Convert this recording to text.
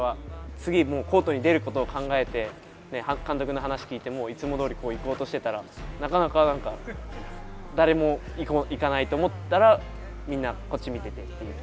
次、もうコートに出ることを考えて、監督の話聞いて、もういつもどおり、こう、行こうとしてたら、なかなかなんか、誰も行かないと思ったら、みんなこっち見ててっていう。